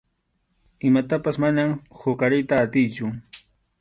Imatapas manam huqariyta atiychu.